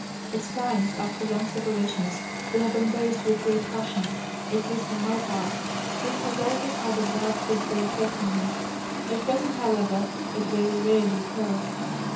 At times after long separations we have embraced with great passion, at least on my part. This has always had a bad physical effect on me. At present, however, it very rarely occurs.